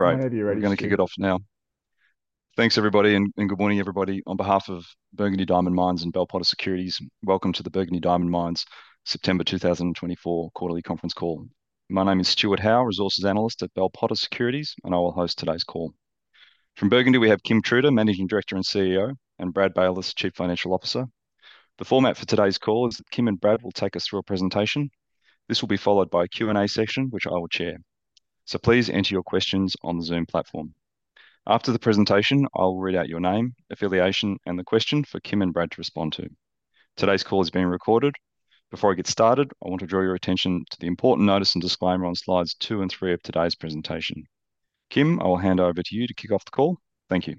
Right, we're gonna kick it off now. Thanks, everybody, and good morning, everybody. On behalf of Burgundy Diamond Mines and Bell Potter Securities, welcome to the Burgundy Diamond Mines September 2024 Quarterly Conference Call. My name is Stuart Howe, resources analyst at Bell Potter Securities, and I will host today's call. From Burgundy, we have Kim Truter, Managing Director and CEO, and Brad Baylis, Chief Financial Officer. The format for today's call is that Kim and Brad will take us through a presentation. This will be followed by a Q&A session, which I will chair, so please enter your questions on the Zoom platform. After the presentation, I will read out your name, affiliation, and the question for Kim and Brad to respond to. Today's call is being recorded. Before I get started, I want to draw your attention to the important notice and disclaimer on slides two and three of today's presentation. Kim, I will hand over to you to kick off the call. Thank you.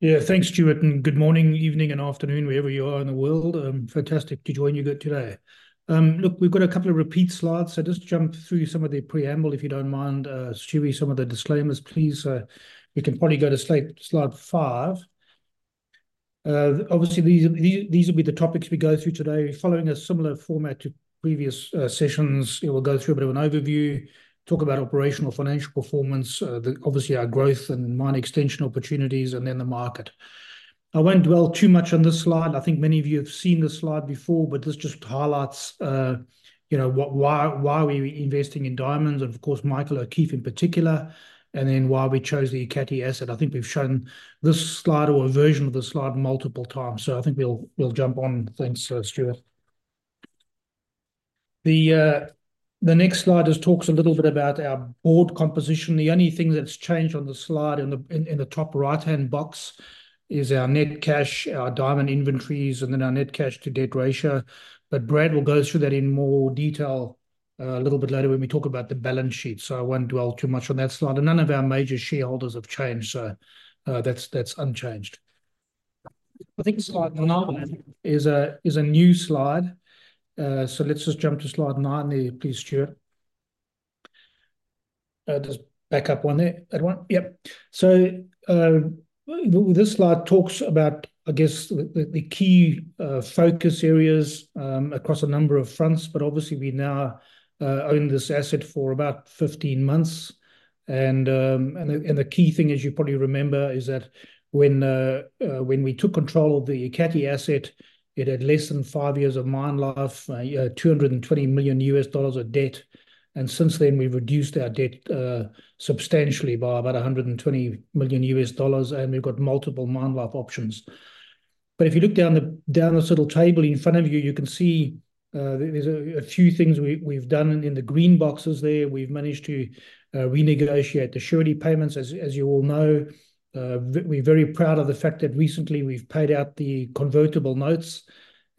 Yeah, thanks, Stuart, and good morning, evening, and afternoon, wherever you are in the world. Fantastic to join you good today. Look, we've got a couple of repeat slides, so just jump through some of the preamble, if you don't mind, Stuart, some of the disclaimers, please. We can probably go to slide five. Obviously, these will be the topics we go through today. Following a similar format to previous sessions, we'll go through a bit of an overview, talk about operational financial performance, obviously our growth and mine extension opportunities, and then the market. I won't dwell too much on this slide. I think many of you have seen this slide before, but this just highlights. Why we're investing in diamonds and, of course, Michael O'Keeffe in particular, and then why we chose the Ekati asset. I think we've shown this slide or a version of this slide multiple times, so I think we'll jump on. Thanks, Stuart. The next slide just talks a little bit about our board composition. The only thing that's changed on the slide in the top right-hand box is our net cash, our diamond inventories, and then our net cash to debt ratio. But Brad will go through that in more detail a little bit later when we talk about the balance sheet, so I won't dwell too much on that slide. And none of our major shareholders have changed, so that's unchanged. I think slide nine is a new slide. Let's just jump to slide nine there, please, Stuart. Just back up one there. That one. Yep. This slide talks about, I guess, the key focus areas across a number of fronts, but obviously we now own this asset for about 15 months, and the key thing, as you probably remember, is that when we took control of the Ekati asset, it had less than 5 years of mine life, $220 million of debt, and since then, we've reduced our debt substantially by about $120 million, and we've got multiple mine life options. But if you look down this little table in front of you, you can see there's a few things we've done in the green boxes there. We've managed to renegotiate the surety payments. As you all know, we're very proud of the fact that recently we've paid out the convertible notes,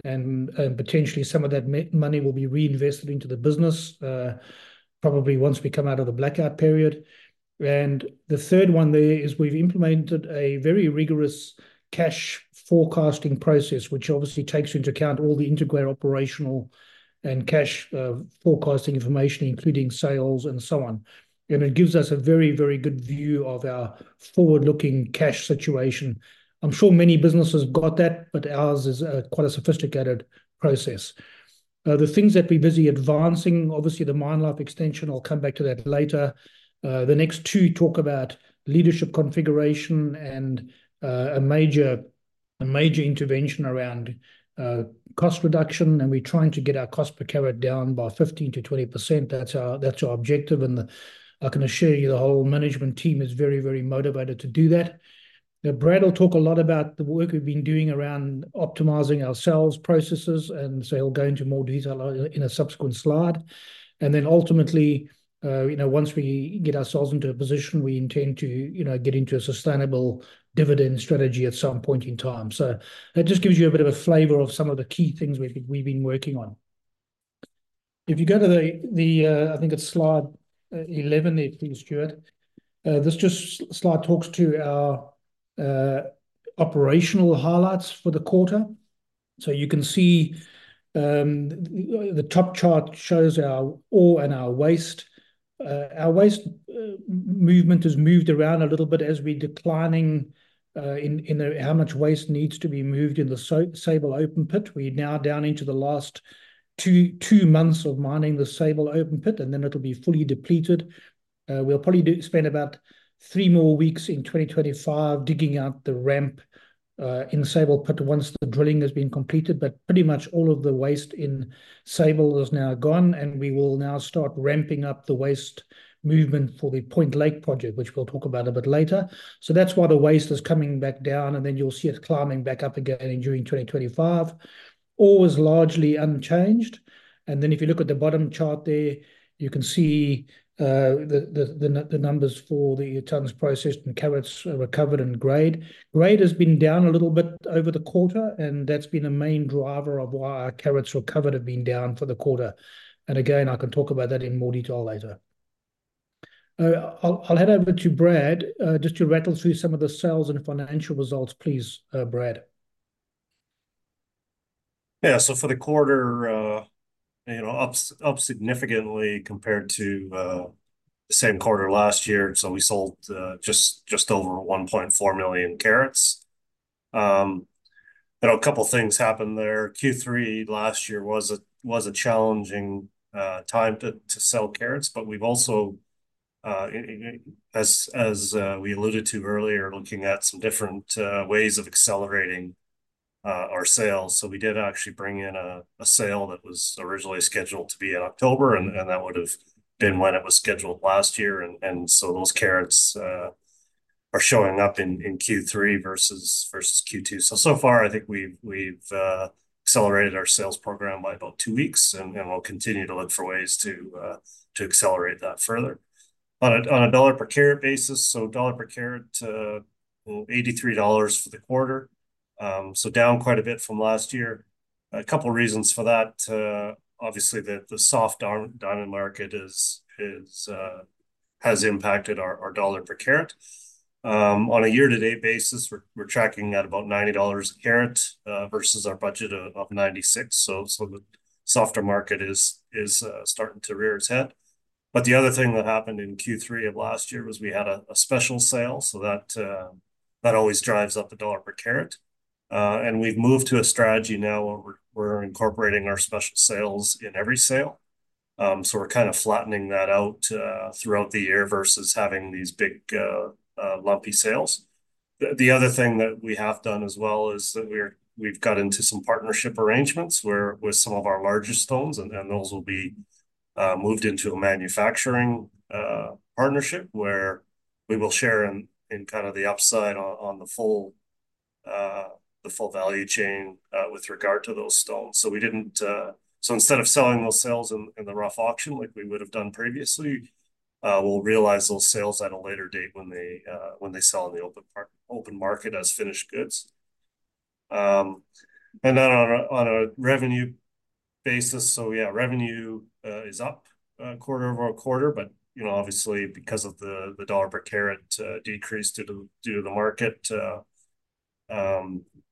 and potentially some of that money will be reinvested into the business, probably once we come out of the blackout period. And the third one there is we've implemented a very rigorous cash forecasting process, which obviously takes into account all the integrated operational and cash forecasting information, including sales and so on. And it gives us a very, very good view of our forward-looking cash situation. I'm sure many businesses have got that, but ours is quite a sophisticated process. The things that we're busy advancing, obviously the mine life extension, I'll come back to that later. The next two talk about leadership configuration and a major intervention around cost reduction, and we're trying to get our cost per carat down by 15%-20%. That's our objective, and I can assure you, the whole management team is very, very motivated to do that. Now, Brad will talk a lot about the work we've been doing around optimizing our sales processes, and so he'll go into more detail in a subsequent slide. Then ultimately, you know, once we get ourselves into a position, we intend to, you know, get into a sustainable dividend strategy at some point in time. So that just gives you a bit of a flavor of some of the key things we've been working on. If you go to the I think it's slide 11 there, please, Stuart. This just slide talks to our operational highlights for the quarter. So you can see, the top chart shows our ore and our waste. Our waste movement has moved around a little bit as we're declining in how much waste needs to be moved in the Sable open pit. We're now down into the last two months of mining the Sable open pit, and then it'll be fully depleted. We'll probably spend about three more weeks in 2025 digging out the ramp in the Sable pit once the drilling has been completed, but pretty much all of the waste in Sable is now gone, and we will now start ramping up the waste movement for the Point Lake project, which we'll talk about a bit later. That's why the waste is coming back down, and then you'll see it climbing back up again during 2025. Ore is largely unchanged, and then if you look at the bottom chart there, you can see the numbers for the tonnes processed and carats recovered and grade. Grade has been down a little bit over the quarter, and that's been a main driver of why our carats recovered have been down for the quarter. And again, I can talk about that in more detail later. I'll hand over to Brad, just to rattle through some of the sales and financial results, please, Brad. Yeah, so for the quarter, you know, up significantly compared to the same quarter last year. So we sold just over one point four million carats. You know, a couple things happened there. Q3 last year was a challenging time to sell carats, but we've also, as we alluded to earlier, looking at some different ways of accelerating our sales. So we did actually bring in a sale that was originally scheduled to be in October, and that would've been when it was scheduled last year, and so those carats are showing up in Q3 versus Q2. So far, I think we've accelerated our sales program by about two weeks, and we'll continue to look for ways to accelerate that further. On a dollar-per-carat basis, so dollar per carat, $83 for the quarter, down quite a bit from last year. A couple reasons for that, obviously, the soft diamond market has impacted our dollar per carat. On a year-to-date basis, we're tracking at about $90 a carat versus our budget of $96. The softer market is starting to rear its head. But the other thing that happened in Q3 of last year was we had a special sale, so that always drives up the dollar per carat. And we've moved to a strategy now where we're incorporating our special sales in every sale. We're kind of flattening that out throughout the year versus having these big lumpy sales. The other thing that we have done as well is that we've got into some partnership arrangements where, with some of our larger stones, and those will be moved into a manufacturing partnership, where we will share in kind of the upside on the full value chain with regard to those stones. So instead of selling those sales in the rough auction, like we would've done previously, we'll realize those sales at a later date when they sell in the open market as finished goods. And then on a revenue basis, so yeah, revenue is up quarter over quarter, but, you know, obviously, because of the dollar per carat decrease due to the market,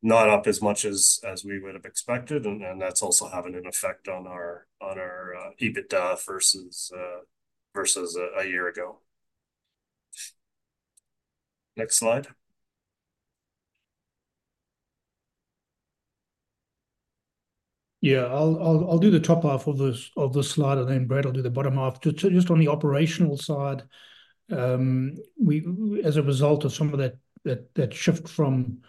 not up as much as we would've expected, and that's also having an effect on our EBITDA versus a year ago. Next slide. Yeah, I'll do the top half of this slide, and then Brad will do the bottom half. Just on the operational side, we, as a result of some of that shift from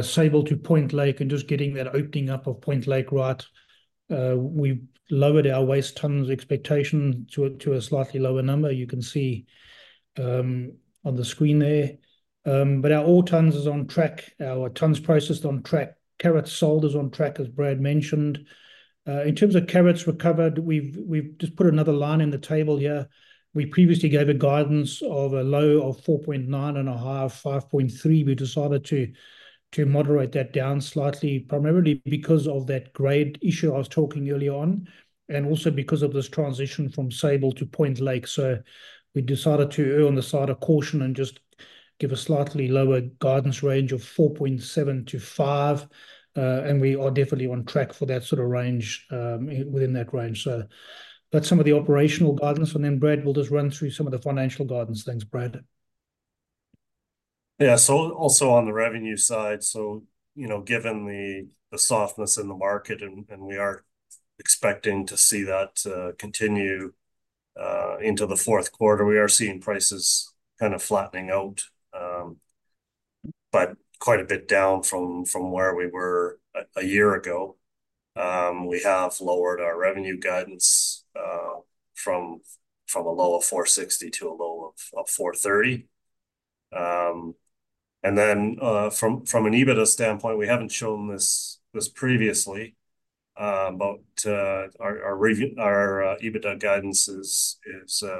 Sable to Point Lake and just getting that opening up of Point Lake right, we've lowered our waste tonnes expectation to a slightly lower number. You can see on the screen there, but our all tonnes is on track. Our tonnes processed on track, carats sold is on track, as Brad mentioned. In terms of carats recovered, we've just put another line in the table here. We previously gave a guidance of a low of 4.9 and a high of 5.3. We decided to moderate that down slightly, primarily because of that grade issue I was talking early on, and also because of this transition from Sable to Point Lake, so we decided to err on the side of caution and just give a slightly lower guidance range of 4.7-5, and we are definitely on track for that sort of range within that range. That's some of the operational guidance, and then Brad will just run through some of the financial guidance. Thanks, Brad. Yeah, so also on the revenue side, so, you know, given the softness in the market, and we are expecting to see that continue into the fourth quarter, we are seeing prices kind of flattening out, but quite a bit down from where we were a year ago. We have lowered our revenue guidance from a low of $460 to a low of $430, and then from an EBITDA standpoint, we haven't shown this previously, but our EBITDA guidance is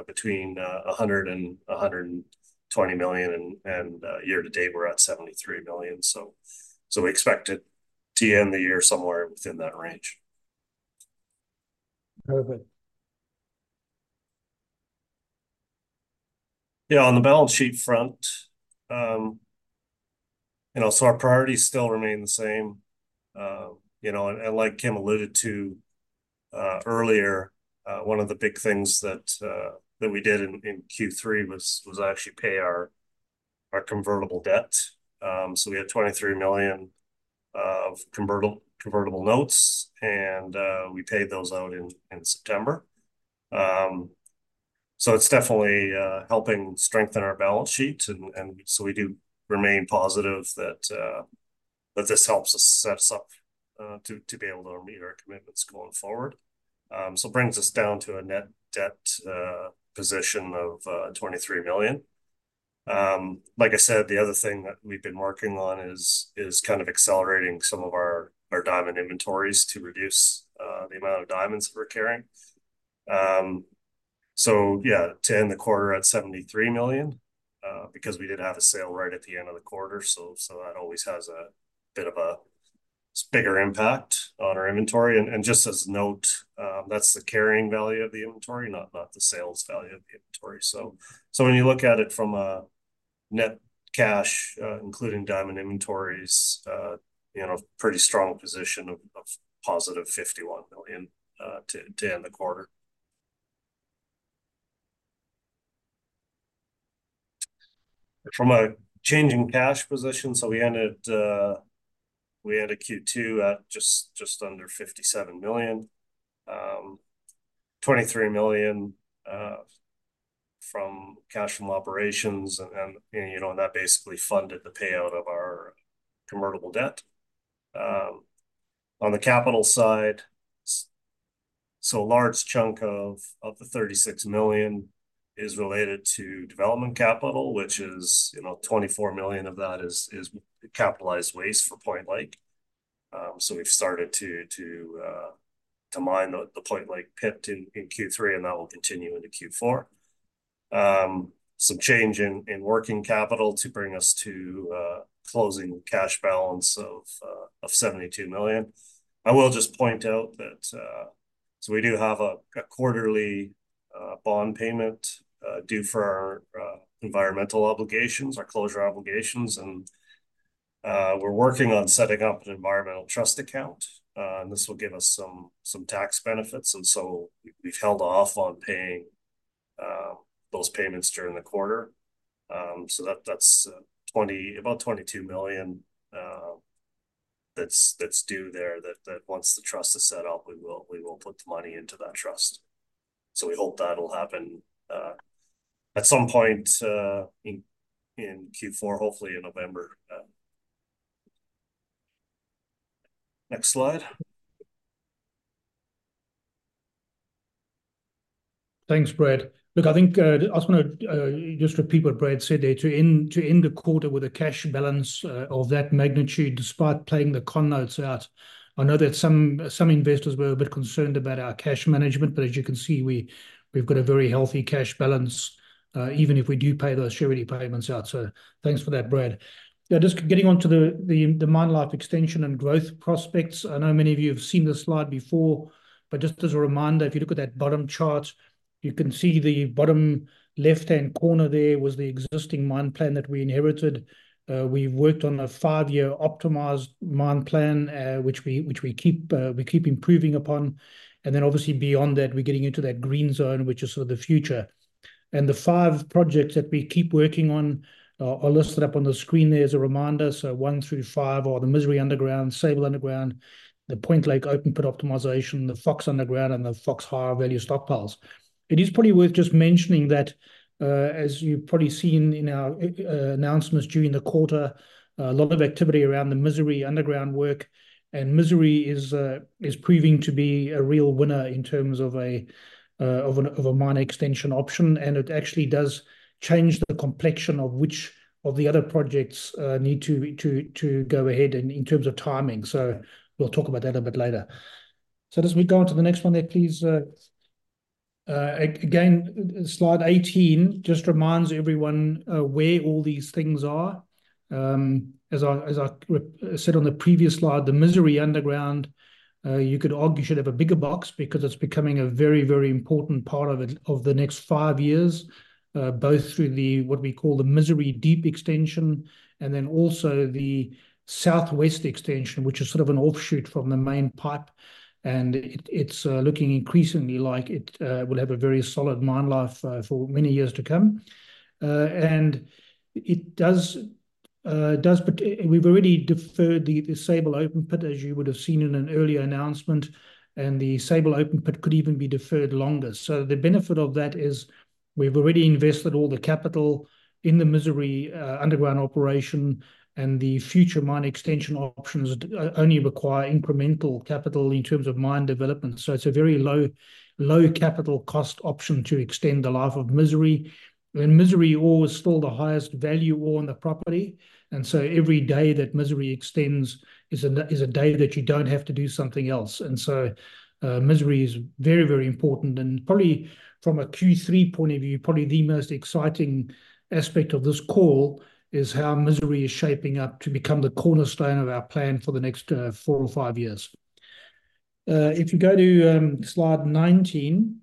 between $100 and $120 million, and year to date, we're at $73 million, so we expect it to end the year somewhere within that range. Perfect. Yeah, on the balance sheet front, you know, so our priorities still remain the same. You know, and like Kim alluded to earlier, one of the big things that we did in Q3 was actually pay our convertible debt. So we had $23 million of convertible notes, and we paid those out in September. So it's definitely helping strengthen our balance sheet, and so we do remain positive that this helps us set us up to be able to meet our commitments going forward. So brings us down to a net debt position of $23 million. Like I said, the other thing that we've been working on is kind of accelerating some of our diamond inventories to reduce the amount of diamonds we're carrying. So yeah, to end the quarter at $73 million because we did have a sale right at the end of the quarter, so that always has a bit of a bigger impact on our inventory. And just as a note, that's the carrying value of the inventory, not the sales value of the inventory. So when you look at it from a net cash including diamond inventories, you know, pretty strong position of positive $51 million to end the quarter. From a changing cash position, so we ended Q2 at just under $57 million. 23 million from cash from operations and, you know, that basically funded the payout of our convertible debt. On the capital side, so a large chunk of the 36 million is related to development capital, which is, you know, 24 million of that is capitalized waste for Point Lake. So we've started to mine the Point Lake pit in Q3, and that will continue into Q4. Some change in working capital to bring us to a closing cash balance of 72 million. I will just point out that. So we do have a quarterly bond payment due for our environmental obligations, our closure obligations, and we're working on setting up an environmental trust account. And this will give us some tax benefits, and so we've held off on paying those payments during the quarter. So that's about $22 million that's due there that once the trust is set up, we will put the money into that trust. So we hope that'll happen at some point in Q4, hopefully in November. Next slide. Thanks, Brad. Look, I think I just wanna just repeat what Brad said there. To end the quarter with a cash balance of that magnitude, despite paying the convertible notes out, I know that some investors were a bit concerned about our cash management, but as you can see, we've got a very healthy cash balance even if we do pay those surety payments out. So thanks for that, Brad. Now, just getting onto the mine life extension and growth prospects. I know many of you have seen this slide before, but just as a reminder, if you look at that bottom chart, you can see the bottom left-hand corner there was the existing mine plan that we inherited. We've worked on a five-year optimized mine plan, which we keep improving upon. Then obviously beyond that, we're getting into that green zone, which is sort of the future. The five projects that we keep working on are listed up on the screen there as a reminder. One through five are the Misery Underground, Sable Underground, the Point Lake Open Pit Optimization, the Fox Underground, and the Fox Higher Value Stockpiles. It is probably worth just mentioning that, as you've probably seen in our announcements during the quarter, a lot of activity around the Misery Underground work, and Misery is proving to be a real winner in terms of a mine extension option. It actually does change the complexion of which of the other projects need to go ahead in terms of timing. We'll talk about that a bit later. As we go on to the next one there, please, again, slide 18 just reminds everyone where all these things are. As I said on the previous slide, the Misery Underground, you could argue should have a bigger box because it's becoming a very, very important part of it of the next five years, both through the, what we call the Misery Deep Extension, and then also the Southwest Extension, which is sort of an offshoot from the main pipe. And it's looking increasingly like it will have a very solid mine life for many years to come. And it does. But we've already deferred the Sable open pit, as you would have seen in an earlier announcement, and the Sable open pit could even be deferred longer. So the benefit of that is we've already invested all the capital in the Misery underground operation, and the future mine extension options only require incremental capital in terms of mine development. So it's a very low, low capital cost option to extend the life of Misery. And Misery ore is still the highest value ore on the property, and so every day that Misery extends is a day that you don't have to do something else. And so, Misery is very, very important, and probably from a Q3 point of view, probably the most exciting aspect of this call is how Misery is shaping up to become the cornerstone of our plan for the next four or five years. If you go to slide 19,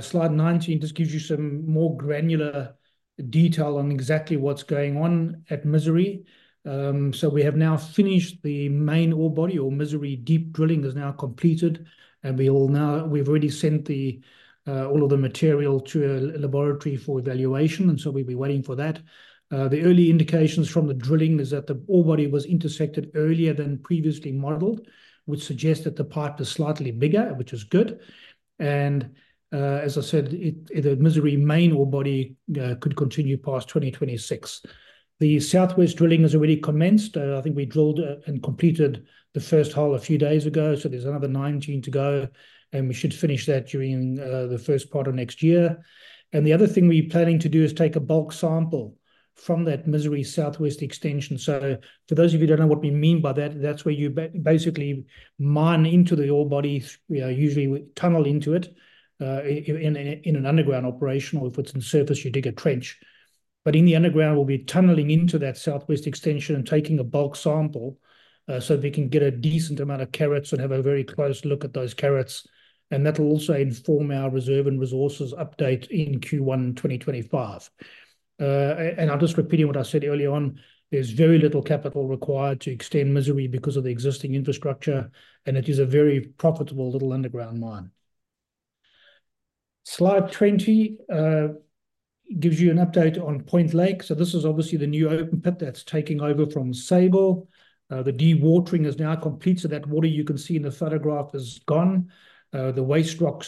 slide 19 just gives you some more granular detail on exactly what's going on at Misery. So we have now finished the main ore body. Misery Deep Drilling is now completed, and we've already sent all of the material to a laboratory for evaluation, and so we'll be waiting for that. The early indications from the drilling is that the ore body was intersected earlier than previously modeled, which suggests that the pipe is slightly bigger, which is good. As I said, it, the Misery main ore body, could continue past 2026. The southwest drilling has already commenced. I think we drilled and completed the first hole a few days ago, so there's another 19 to go, and we should finish that during the first part of next year. The other thing we're planning to do is take a bulk sample from that Misery Southwest Extension. So for those of you who don't know what we mean by that, that's where you basically mine into the ore body. We usually tunnel into it in an underground operation, or if it's on surface, you dig a trench. But in the underground, we'll be tunneling into that southwest extension and taking a bulk sample, so we can get a decent amount of carats and have a very close look at those carats, and that will also inform our reserve and resources update in Q1 2025. And I'm just repeating what I said earlier on, there's very little capital required to extend Misery because of the existing infrastructure, and it is a very profitable little underground mine. Slide 20 gives you an update on Point Lake. So this is obviously the new open pit that's taking over from Sable. The dewatering is now complete, so that water you can see in the photograph is gone. The waste rock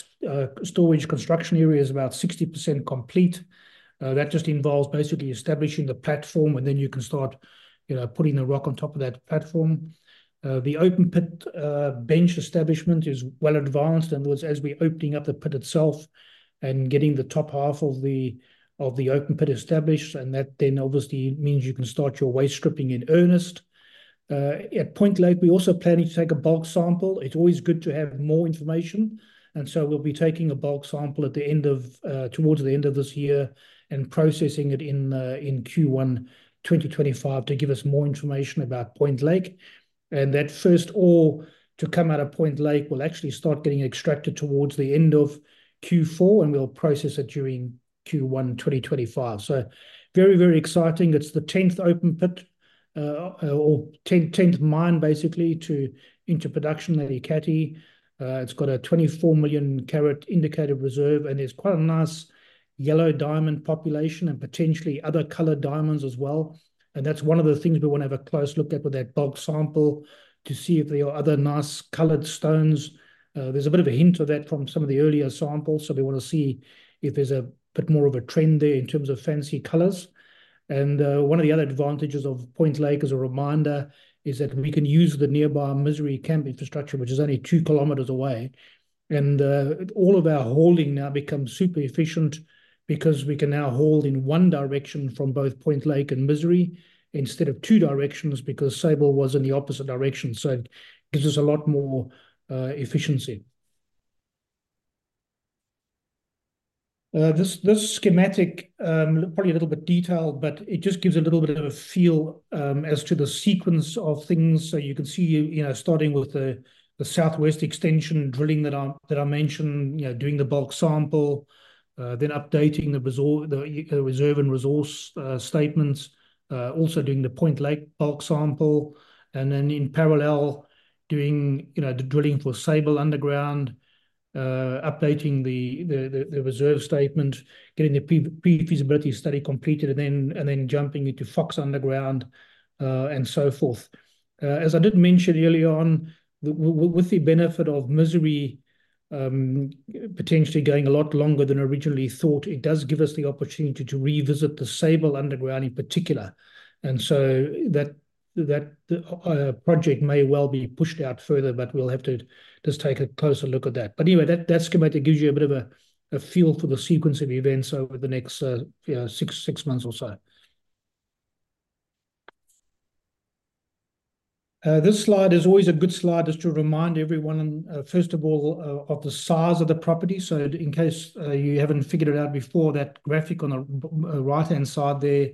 storage construction area is about 60% complete. That just involves basically establishing the platform, and then you can start, you know, putting the rock on top of that platform. The open pit bench establishment is well advanced, and in other words, as we're opening up the pit itself and getting the top half of the open pit established, and that then obviously means you can start your waste stripping in earnest. At Point Lake, we're also planning to take a bulk sample. It's always good to have more information, and so we'll be taking a bulk sample at the end of, towards the end of this year, and processing it in, in Q1 2025 to give us more information about Point Lake. That first ore to come out of Point Lake will actually start getting extracted towards the end of Q4, and we'll process it during Q1 2025. Very, very exciting. It's the tenth open pit or tenth mine basically to into production at Ekati. It's got a 24 million carat indicated reserve, and there's quite a nice yellow diamond population and potentially other colored diamonds as well. That's one of the things we wanna have a close look at with that bulk sample, to see if there are other nice colored stones. There's a bit of a hint of that from some of the earlier samples, so we wanna see if there's a bit more of a trend there in terms of fancy colors. One of the other advantages of Point Lake, as a reminder, is that we can use the nearby Misery Camp infrastructure, which is only 2 kilometers away. All of our hauling now becomes super efficient, because we can now haul in one direction from both Point Lake and Misery, instead of two directions, because Sable was in the opposite direction. So it gives us a lot more efficiency. This schematic probably a little bit detailed, but it just gives a little bit of a feel as to the sequence of things. So you can see, you know, starting with the southwest extension drilling that I mentioned, you know, doing the bulk sample, then updating the reserve and resource statements. Also doing the Point Lake bulk sample, and then in parallel, doing, you know, the drilling for Sable Underground. Updating the reserve statement, getting the pre-feasibility study completed, and then jumping into Fox Underground, and so forth. As I did mention early on, with the benefit of Misery potentially going a lot longer than originally thought, it does give us the opportunity to revisit the Sable Underground in particular, and so that project may well be pushed out further, but we'll have to just take a closer look at that, but anyway, that schematic gives you a bit of a feel for the sequence of events over the next, you know, six months or so. This slide is always a good slide just to remind everyone, first of all, of the size of the property, so in case you haven't figured it out before, that graphic on the right-hand side there,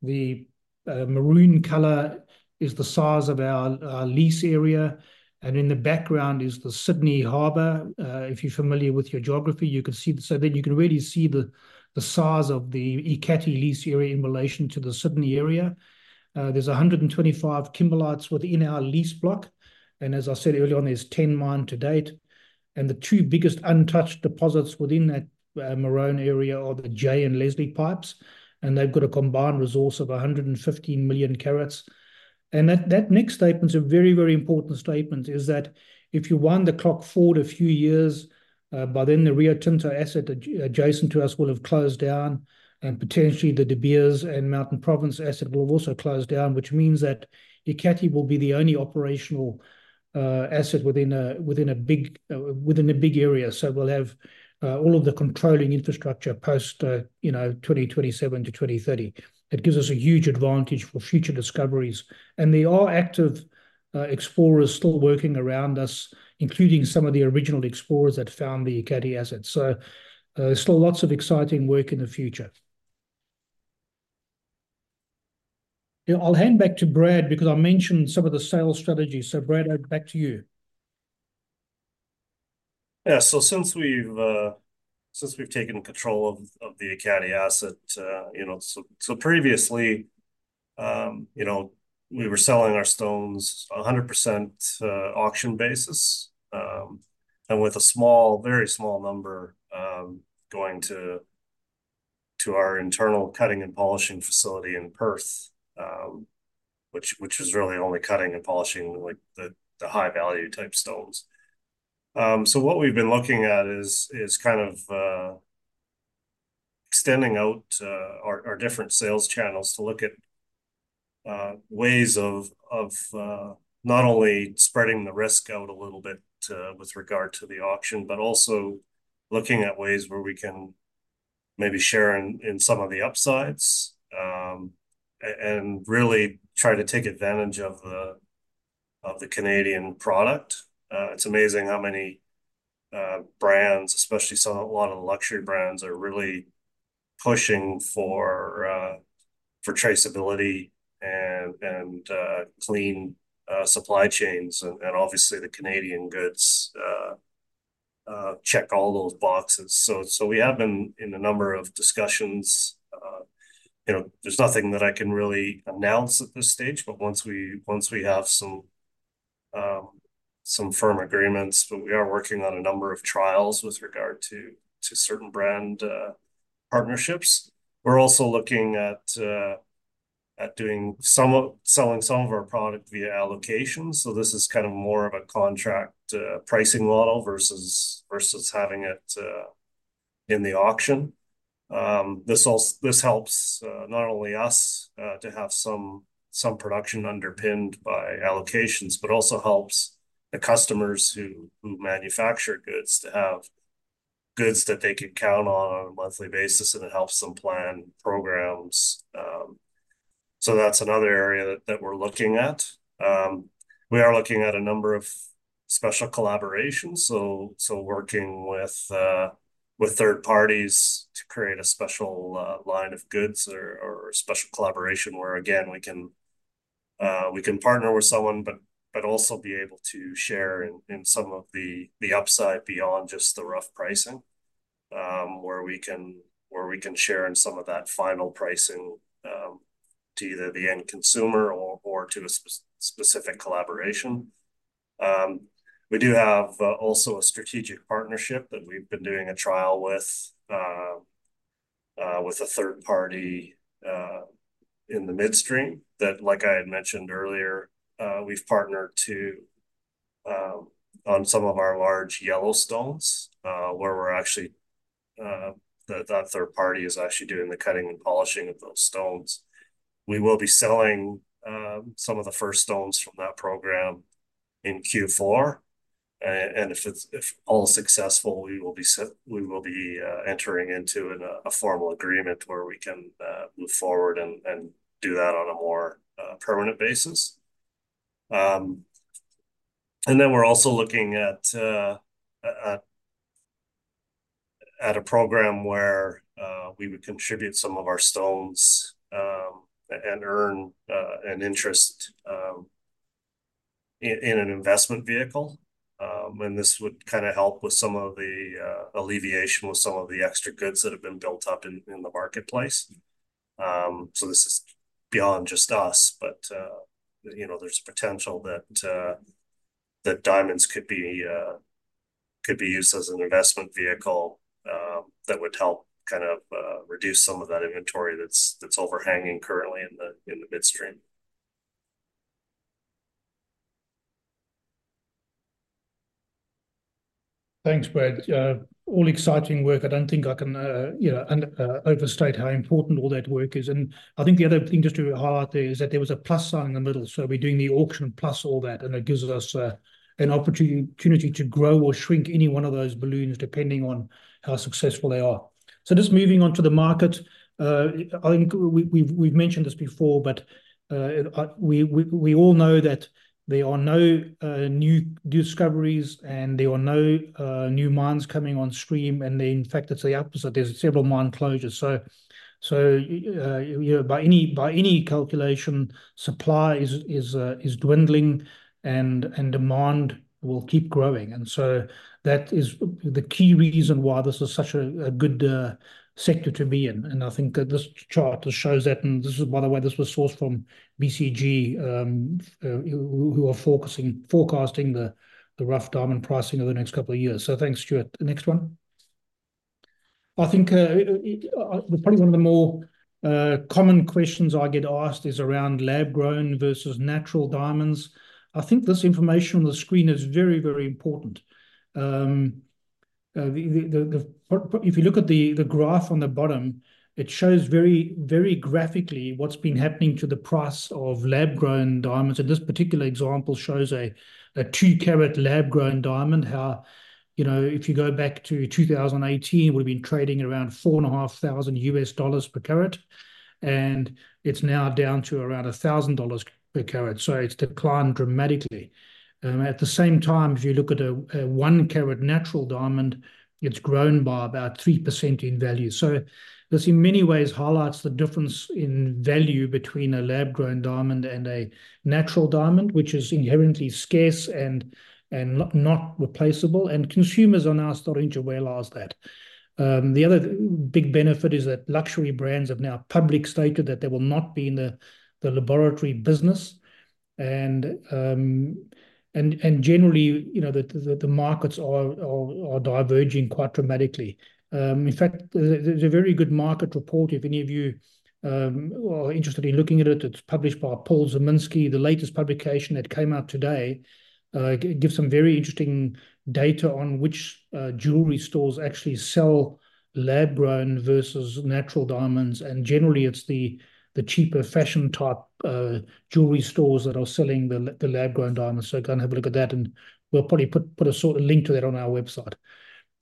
the maroon color is the size of our lease area, and in the background is the Sydney Harbour. If you're familiar with your geography, you can see. So then you can really see the size of the Ekati lease area in relation to the Sydney area. There's 125 kimberlites within our lease block, and as I said earlier on, there's 10 mined to date. The two biggest untouched deposits within that maroon area are the Jay and Leslie pipes, and they've got a combined resource of 115 million carats. And that next statement is a very, very important statement: that if you wind the clock forward a few years, by then the Rio Tinto asset adjacent to us will have closed down, and potentially the De Beers and Mountain Province asset will have also closed down, which means that Ekati will be the only operational asset within a big area. So we'll have all of the controlling infrastructure post, you know, 2027 to 2030. It gives us a huge advantage for future discoveries. And there are active explorers still working around us, including some of the original explorers that found the Ekati asset. So still lots of exciting work in the future. I'll hand back to Brad, because I mentioned some of the sales strategies. So Brad, back to you. Yeah. So since we've taken control of the Ekati asset, you know. So, so previously, you know, we were selling our stones 100%, auction basis. And with a small, very small number going to our internal cutting and polishing facility in Perth, which is really only cutting and polishing, like, the high-value type stones. So what we've been looking at is kind of extending out our different sales channels to look at ways of not only spreading the risk out a little bit with regard to the auction, but also looking at ways where we can maybe share in some of the upsides. And really try to take advantage of the Canadian product. It's amazing how many brands, especially a lot of the luxury brands, are really pushing for traceability and clean supply chains. Obviously, the Canadian goods check all those boxes. We have been in a number of discussions. You know, there's nothing that I can really announce at this stage, but once we have some firm agreements. We are working on a number of trials with regard to certain brand partnerships. We're also looking at doing some of selling some of our product via allocations. This is kind of more of a contract pricing model versus having it in the auction. This helps not only us to have some production underpinned by allocations, but also helps the customers who manufacture goods to have goods that they can count on on a monthly basis, and it helps them plan programs. So that's another area that we're looking at. We are looking at a number of special collaborations, so working with third parties to create a special line of goods or a special collaboration where, again, we can partner with someone, but also be able to share in some of the upside beyond just the rough pricing. Where we can share in some of that final pricing to either the end consumer or to a specific collaboration. We do have also a strategic partnership that we've been doing a trial with with a third party in the midstream, that, like I had mentioned earlier, we've partnered to on some of our large yellow stones, where we're actually that third party is actually doing the cutting and polishing of those stones. We will be selling some of the first stones from that program in Q4, and if all successful, we will be entering into a formal agreement where we can move forward and do that on a more permanent basis. And then we're also looking at a program where we would contribute some of our stones and earn an interest in an investment vehicle. And this would kind of help with some of the alleviation with some of the extra goods that have been built up in the marketplace. So this is beyond just us, but you know, there's potential that diamonds could be used as an investment vehicle that would help kind of reduce some of that inventory that's overhanging currently in the midstream. Thanks, Brad. All exciting work. I don't think I can, you know, overstate how important all that work is. I think the other thing just to highlight there is that there was a plus sign in the middle, so we're doing the auction plus all that, and it gives us an opportunity to grow or shrink any one of those balloons depending on how successful they are. Just moving on to the market. I think we've mentioned this before, but we all know that there are no new discoveries and there are no new mines coming on stream, and in fact, it's the opposite. There's several mine closures. You know, by any calculation, supply is dwindling and demand will keep growing. So that is the key reason why this is such a good sector to be in. I think that this chart shows that, and this is, by the way, this was sourced from BCG, who are forecasting the rough diamond pricing over the next couple of years. Thanks, Stuart. The next one. I think it probably one of the more common questions I get asked is around lab-grown versus natural diamonds. I think this information on the screen is very, very important. If you look at the graph on the bottom, it shows very, very graphically what's been happening to the price of lab-grown diamonds, and this particular example shows a two-carat lab-grown diamond. Now, you know, if you go back to 2018, we've been trading around $4,500 per carat, and it's now down to around $1,000 per carat, so it's declined dramatically. At the same time, if you look at a one carat natural diamond, it's grown by about 3% in value. So this, in many ways, highlights the difference in value between a lab-grown diamond and a natural diamond, which is inherently scarce and not replaceable, and consumers are now starting to realize that. The other big benefit is that luxury brands have now publicly stated that they will not be in the laboratory business, and generally, you know, the markets are diverging quite dramatically. In fact, there's a very good market report, if any of you are interested in looking at it. It's published by Paul Zimnisky. The latest publication that came out today gives some very interesting data on which jewelry stores actually sell lab-grown versus natural diamonds, and generally, it's the cheaper, fashion-type jewelry stores that are selling the lab-grown diamonds. So go and have a look at that, and we'll probably put a sort of link to that on our website,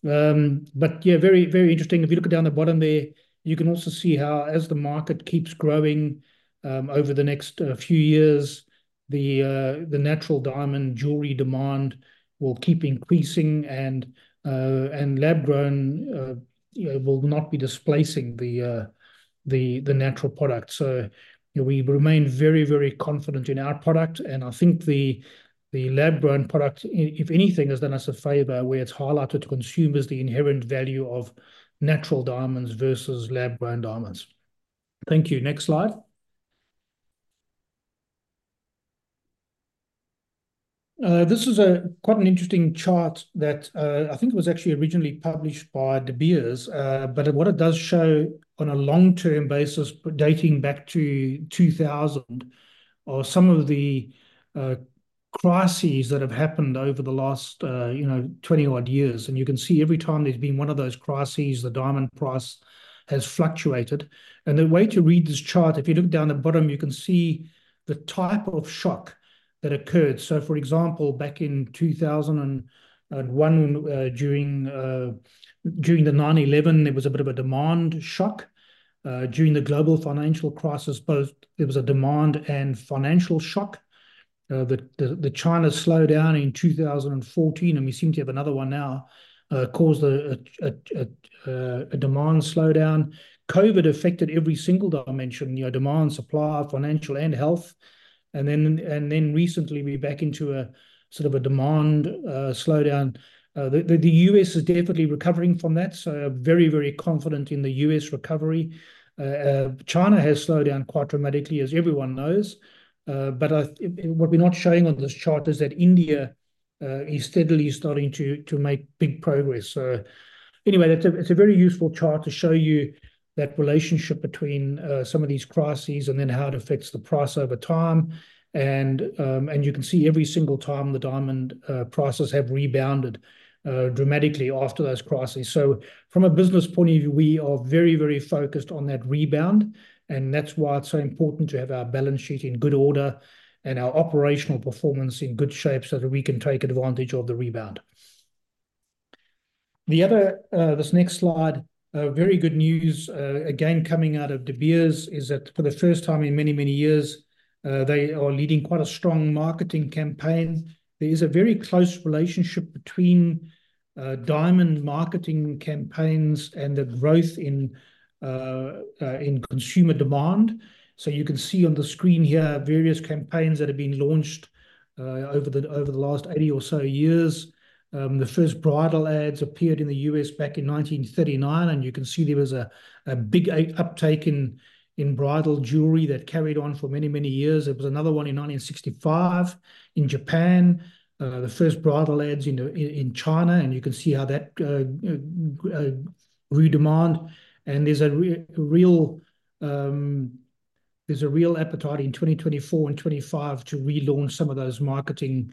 but yeah, very, very interesting. If you look down the bottom there, you can also see how as the market keeps growing over the next few years, the natural diamond jewelry demand will keep increasing and lab-grown you know will not be displacing the natural product. So, you know, we remain very, very confident in our product, and I think the lab-grown product, if anything, has done us a favor, where it's highlighted to consumers the inherent value of natural diamonds versus lab-grown diamonds. Thank you. Next slide. This is a quite an interesting chart that I think was actually originally published by De Beers. But what it does show on a long-term basis, dating back to 2000, are some of the crises that have happened over the last, you know, 20-odd years. And you can see every time there's been one of those crises, the diamond price has fluctuated. And the way to read this chart, if you look down the bottom, you can see the type of shock that occurred. So for example, back in 2001, during the 9/11, there was a bit of a demand shock. During the global financial crisis, both there was a demand and financial shock. The China slowdown in 2014, and we seem to have another one now, caused a demand slowdown. COVID affected every single dimension, you know, demand, supply, financial, and health, and then recently we're back into a sort of a demand slowdown. The U.S. is definitely recovering from that, so I'm very, very confident in the U.S. recovery. China has slowed down quite dramatically, as everyone knows, but what we're not showing on this chart is that India is steadily starting to make big progress. So anyway, that's a, it's a very useful chart to show you that relationship between, some of these crises and then how it affects the price over time. And you can see every single time the diamond prices have rebounded dramatically after those crises. So from a business point of view, we are very, very focused on that rebound, and that's why it's so important to have our balance sheet in good order and our operational performance in good shape, so that we can take advantage of the rebound. The other. This next slide, very good news, again, coming out of De Beers, is that for the first time in many, many years, they are leading quite a strong marketing campaign. There is a very close relationship between diamond marketing campaigns and the growth in consumer demand. So you can see on the screen here various campaigns that have been launched over the last 80 or so years. The first bridal ads appeared in the U.S. back in 1939, and you can see there was a big uptake in bridal jewelry that carried on for many, many years. There was another one in 1965 in Japan. The first bridal ads in China, and you can see how that demand. And there's a real appetite in 2024 and 2025 to relaunch some of those marketing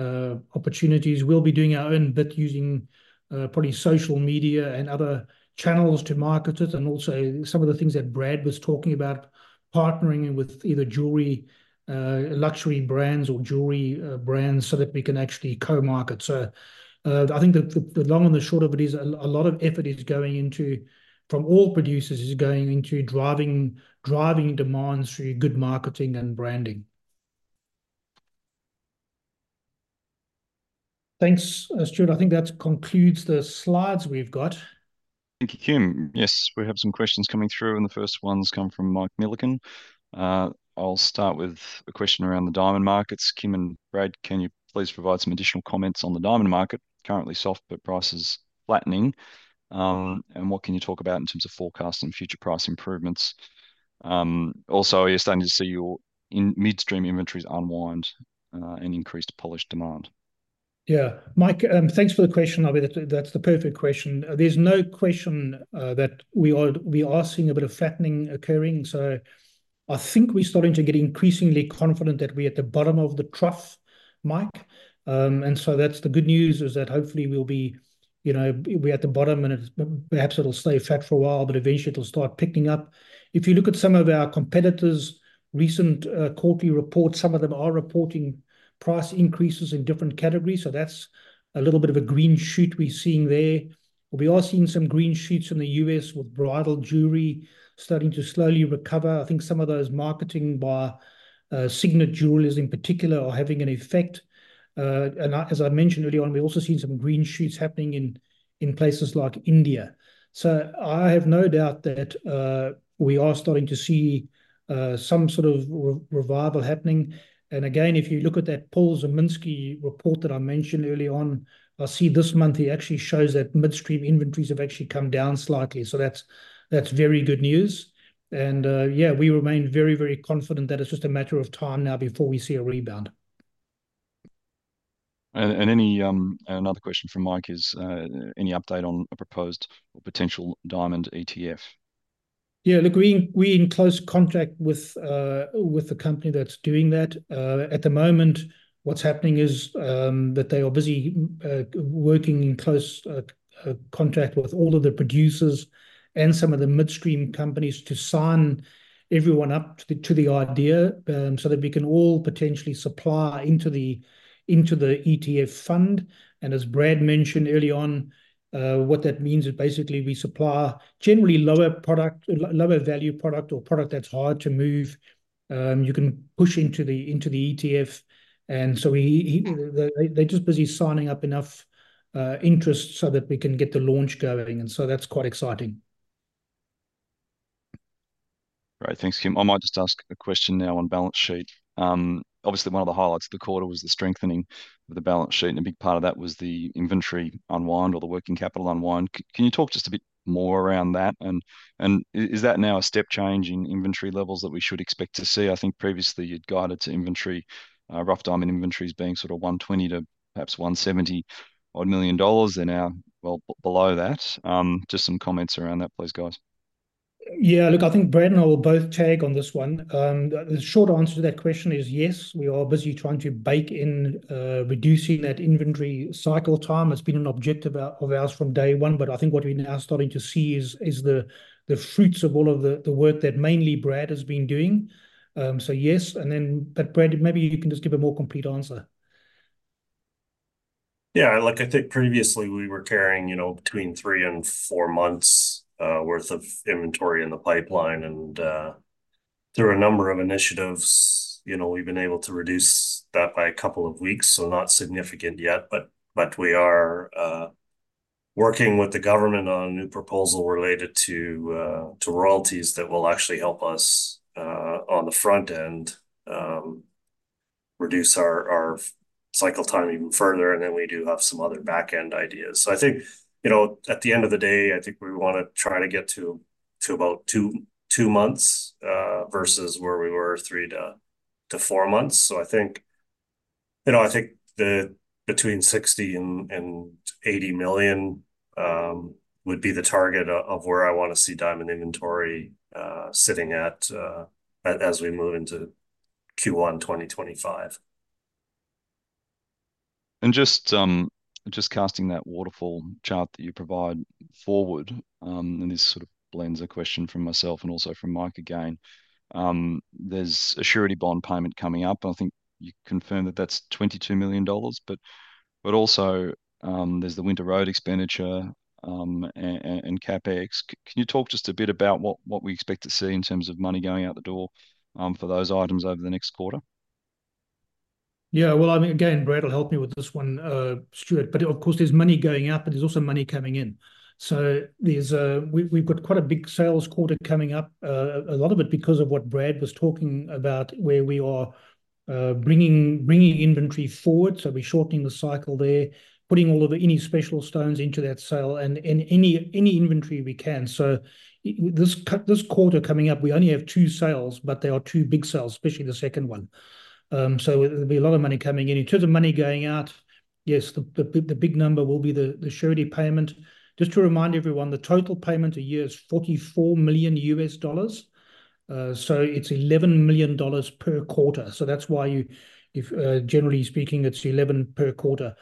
opportunities. We'll be doing our own bit using probably social media and other channels to market it, and also some of the things that Brad was talking about, partnering with either jewelry luxury brands or jewelry brands so that we can actually co-market. So, I think the long and the short of it is a lot of effort is going into, from all producers, driving demand through good marketing and branding. Thanks. Stuart. I think that concludes the slides we've got. Thank you, Kim. Yes, we have some questions coming through, and the first one's come from Mike Millikan. I'll start with a question around the diamond markets. "Kim and Brad, can you please provide some additional comments on the diamond market? Currently soft, but prices flattening. And what can you talk about in terms of forecasts and future price improvements? Also, are you starting to see your midstream inventories unwind, and increased polish demand? Yeah. Mike, thanks for the question. I mean, that's the perfect question. There's no question that we are seeing a bit of flattening occurring, so I think we're starting to get increasingly confident that we're at the bottom of the trough, Mike. And so that's the good news, is that hopefully we'll be, you know, at the bottom, and it's... Perhaps it'll stay flat for a while, but eventually it'll start picking up. If you look at some of our competitors' recent quarterly reports, some of them are reporting price increases in different categories, so that's a little bit of a green shoot we're seeing there. We are seeing some green shoots in the U.S., with bridal jewelry starting to slowly recover. I think some of those marketing by Signet Jewelers in particular are having an effect. and as I mentioned early on, we're also seeing some green shoots happening in places like India. So I have no doubt that we are starting to see some sort of revival happening. And again, if you look at that Paul Zimnisky report that I mentioned early on, I see this month he actually shows that midstream inventories have actually come down slightly. So that's very good news. And yeah, we remain very, very confident that it's just a matter of time now before we see a rebound. Another question from Mike is, "Any update on a proposed or potential diamond ETF? Yeah, look, we're in close contact with the company that's doing that. At the moment what's happening is that they are busy working in close contact with all of the producers and some of the midstream companies to sign everyone up to the idea so that we can all potentially supply into the ETF fund. And as Brad mentioned early on, what that means is basically we supply generally lower product, lower value product or product that's hard to move, you can push into the ETF. And so they're just busy signing up enough interest so that we can get the launch going, and so that's quite exciting.... Great. Thanks, Kim. I might just ask a question now on balance sheet. Obviously one of the highlights of the quarter was the strengthening of the balance sheet, and a big part of that was the inventory unwind, or the working capital unwind. Can you talk just a bit more around that, and is that now a step change in inventory levels that we should expect to see? I think previously you'd guided to inventory, rough diamond inventories being sort of $120-$170 odd million. They're now well below that. Just some comments around that, please, guys. Yeah, look, I think Brad and I will both tag on this one. The short answer to that question is yes, we are busy trying to bake in reducing that inventory cycle time. It's been an objective of ours from day one, but I think what we're now starting to see is the fruits of all of the work that mainly Brad has been doing. So yes, and then... But Brad, maybe you can just give a more complete answer. Yeah, like, I think previously we were carrying, you know, between three and four months worth of inventory in the pipeline, and through a number of initiatives, you know, we've been able to reduce that by a couple of weeks. So not significant yet, but we are working with the government on a new proposal related to royalties that will actually help us on the front end reduce our cycle time even further, and then we do have some other back-end ideas. So I think, you know, at the end of the day, I think we wanna try to get to about two months versus where we were, three to four months. I think, you know, I think that between $60 million and $80 million would be the target of where I wanna see diamond inventory sitting at as we move into Q1, 2025. And just, just casting that waterfall chart that you provide forward, and this sort of blends a question from myself and also from Mike again, there's a surety bond payment coming up, and I think you confirmed that that's $22 million. But, but also, there's the winter road expenditure, and CapEx. Can you talk just a bit about what, what we expect to see in terms of money going out the door, for those items over the next quarter? Yeah, well, I mean, again, Brad will help me with this one, Stuart, but of course there's money going out, but there's also money coming in. So there's. We've got quite a big sales quarter coming up, a lot of it because of what Brad was talking about, where we are bringing inventory forward. So we're shortening the cycle there, putting all of the, any special stones into that sale, and any inventory we can. So this quarter coming up, we only have two sales, but they are two big sales, especially the second one. So it, it'll be a lot of money coming in. In terms of money going out, yes, the big number will be the surety payment. Just to remind everyone, the total payment a year is $44 million, so it's $11 million per quarter. So that's why you, if, generally speaking, it's 11 per quarter.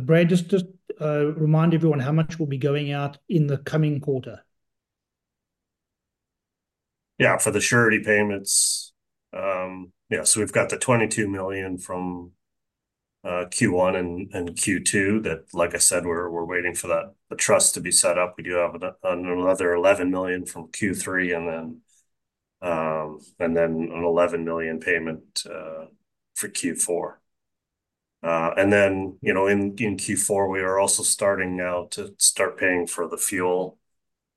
Brad, just remind everyone how much will be going out in the coming quarter. Yeah, for the surety payments. Yeah, so we've got the $22 million from Q1 and Q2 that, like I said, we're waiting for that, the trust to be set up. We do have another $11 million from Q3, and then an $11 million payment for Q4. And then, you know, in Q4, we are also starting now to start paying for the fuel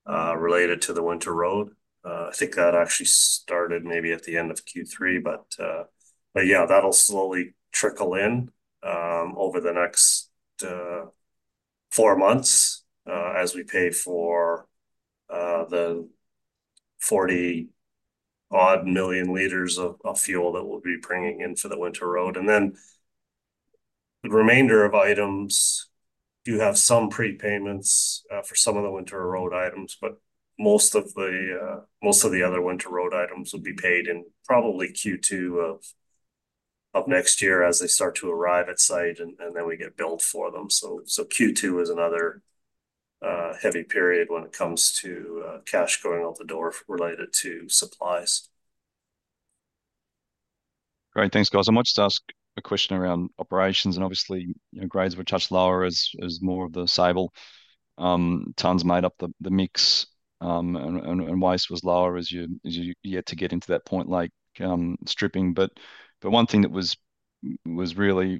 related to the winter road. I think that actually started maybe at the end of Q3, but yeah, that'll slowly trickle in over the next four months as we pay for the 40-odd million liters of fuel that we'll be bringing in for the winter road. And then the remainder of items do have some prepayments for some of the winter road items, but most of the other winter road items will be paid in probably Q2 of next year as they start to arrive at site, and then we get billed for them. So Q2 is another heavy period when it comes to cash going out the door related to supplies. Great. Thanks, guys. I might just ask a question around operations, and obviously, you know, grades were just lower as more of the Sable tons made up the mix, and waste was lower as you yet to get into that point, like, stripping. But one thing that was really, you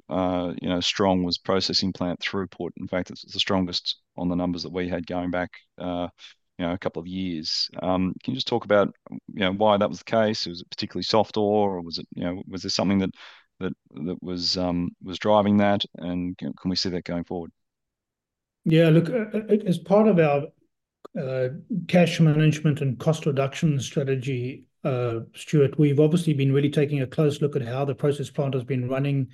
know, strong was processing plant throughput. In fact, it's the strongest on the numbers that we had going back, you know, a couple of years. Can you just talk about, you know, why that was the case? Was it particularly soft ore, or was it? You know, was there something that was driving that, and, you know, can we see that going forward? Yeah, look, as part of our cash management and cost reduction strategy, Stuart, we've obviously been really taking a close look at how the process plant has been running.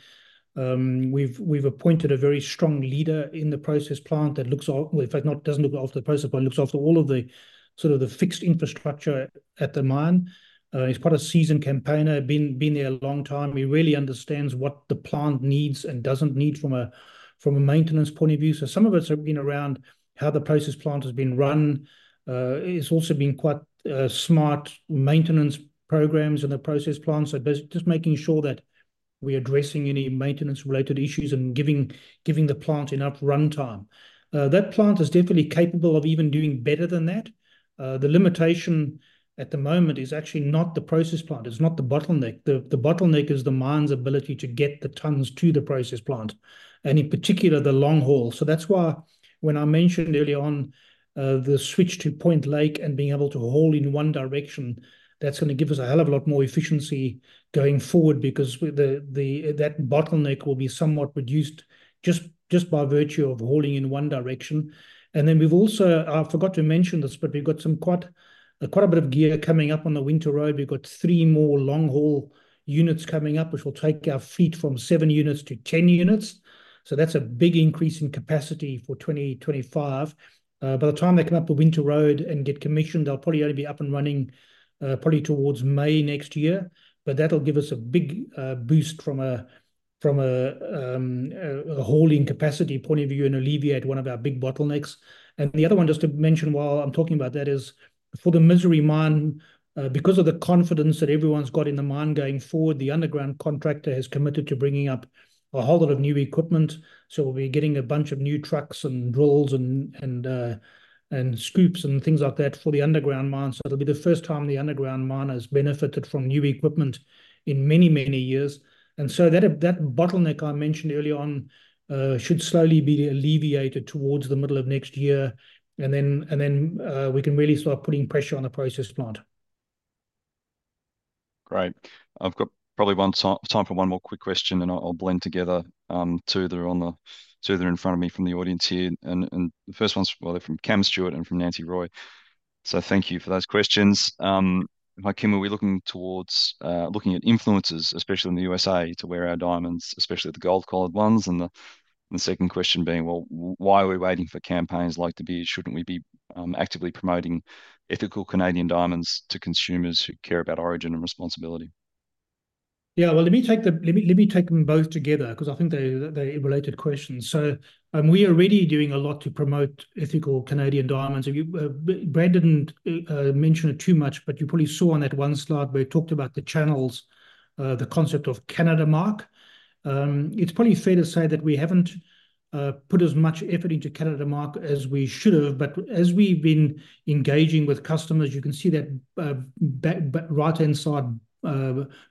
We've appointed a very strong leader in the process plant that looks after - well, in fact, doesn't look after the process plant, looks after all of the sort of the fixed infrastructure at the mine. He's quite a seasoned campaigner, been there a long time. He really understands what the plant needs and doesn't need from a maintenance point of view. So some of it's been around how the process plant has been run. It's also been quite smart maintenance programs in the process plant, so just making sure that we're addressing any maintenance-related issues and giving the plant enough runtime. That plant is definitely capable of even doing better than that. The limitation at the moment is actually not the process plant, it's not the bottleneck. The bottleneck is the mine's ability to get the tons to the process plant, and in particular, the long haul. So that's why when I mentioned early on, the switch to Point Lake and being able to haul in one direction, that's gonna give us a hell of a lot more efficiency going forward, because that bottleneck will be somewhat reduced just by virtue of hauling in one direction. And then we've also. I forgot to mention this, but we've got some quite a bit of gear coming up on the winter road. We've got three more long-haul units coming up, which will take our fleet from seven units to 10 units, so that's a big increase in capacity for 2025. By the time they come up the winter road and get commissioned, they'll probably only be up and running probably towards May next year, but that'll give us a big boost from a hauling capacity point of view and alleviate one of our big bottlenecks. And the other one, just to mention while I'm talking about that, is for the Misery Mine, because of the confidence that everyone's got in the mine going forward, the underground contractor has committed to bringing up a whole lot of new equipment. So we'll be getting a bunch of new trucks and drills and scoops and things like that for the underground mine. It'll be the first time the underground mine has benefited from new equipment in many, many years. That bottleneck I mentioned early on should slowly be alleviated towards the middle of next year, and then we can really start putting pressure on the process plant. Great. I've got probably one time for one more quick question, and I'll blend together, two that are in front of me from the audience here, and the first one's from Cam Stewart and from Nancy Roy. So thank you for those questions. Hi, Kim, are we looking towards, looking at influencers, especially in the USA, to wear our diamonds, especially the gold colored ones? And the second question being, well, why are we waiting for campaigns like to be, shouldn't we be, actively promoting ethical Canadian diamonds to consumers who care about origin and responsibility? Yeah, well, let me take them both together, 'cause I think they, they're related questions. So, we are already doing a lot to promote ethical Canadian diamonds. If you, Brad didn't mention it too much, but you probably saw on that one slide where he talked about the channels, the concept of CanadaMark. It's probably fair to say that we haven't put as much effort into CanadaMark as we should have, but as we've been engaging with customers, you can see that, back, right-hand side,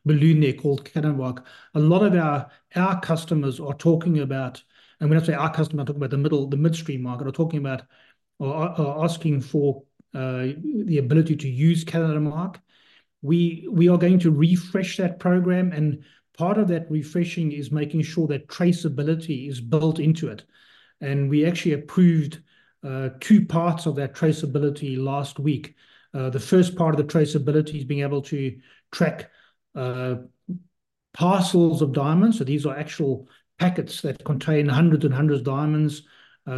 balloon there called CanadaMark. A lot of our customers are talking about, and when I say our customer, I'm talking about the midstream market, are talking about or asking for the ability to use CanadaMark. We are going to refresh that program, and part of that refreshing is making sure that traceability is built into it, and we actually approved two parts of that traceability last week. The first part of the traceability is being able to track parcels of diamonds, so these are actual packets that contain hundreds and hundreds of diamonds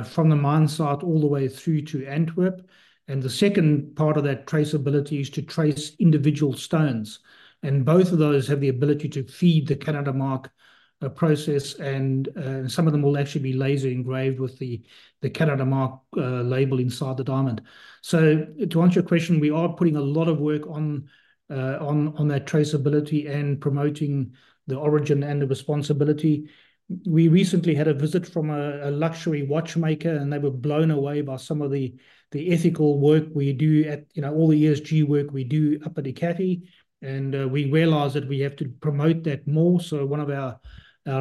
from the mine site all the way through to Antwerp. The second part of that traceability is to trace individual stones, and both of those have the ability to feed the CanadaMark process, and some of them will actually be laser engraved with the CanadaMark label inside the diamond. To answer your question, we are putting a lot of work on that traceability and promoting the origin and the responsibility. We recently had a visit from a luxury watchmaker, and they were blown away by some of the ethical work we do at, you know, all the ESG work we do up at Ekati, and we realize that we have to promote that more. So one of our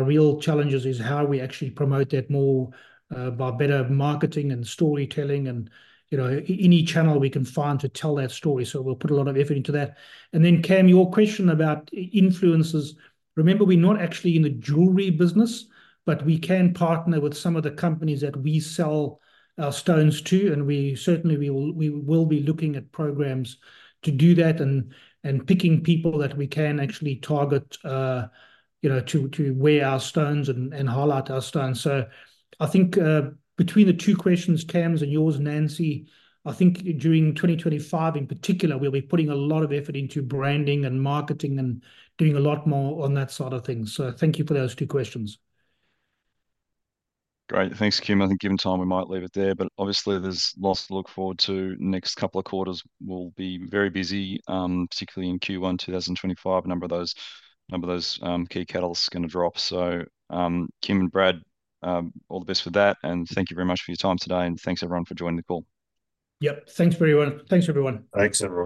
real challenges is how we actually promote that more by better marketing and storytelling and, you know, any channel we can find to tell that story, so we'll put a lot of effort into that. Then, Cam, your question about influencers, remember, we're not actually in the jewelry business, but we can partner with some of the companies that we sell our stones to, and we certainly will be looking at programs to do that and picking people that we can actually target, you know, to wear our stones and highlight our stones. So I think between the two questions, Cam's and yours, Nancy, I think during 2025 in particular, we'll be putting a lot of effort into branding and marketing and doing a lot more on that side of things. So thank you for those two questions. Great. Thanks, Kim. I think given time, we might leave it there, but obviously there's lots to look forward to. Next couple of quarters will be very busy, particularly in Q1, 2025. A number of those key catalysts are gonna drop. So, Kim and Brad, all the best for that, and thank you very much for your time today, and thanks everyone for joining the call. Yep. Thanks, everyone. Thanks, everyone.